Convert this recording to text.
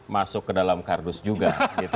masuk ke dalam kardus juga